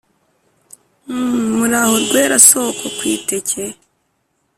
uhm muraho rwera soko ku iteke